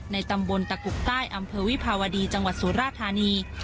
ตำบลตะกุกใต้อำเภอวิภาวดีจังหวัดสุราธานี